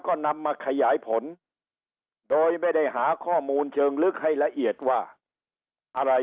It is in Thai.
ก็นำมาขยายผลโดยไม่ได้หาข้อมูลเชิงลึกให้ละเอียดว่าอะไร